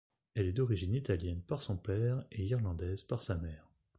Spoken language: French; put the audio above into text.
Elle est d’origine italienne par son père et irlandaise par sa mère.